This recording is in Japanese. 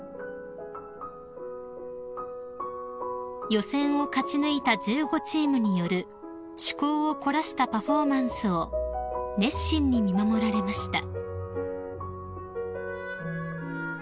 ［予選を勝ち抜いた１５チームによる趣向を凝らしたパフォーマンスを熱心に見守られました］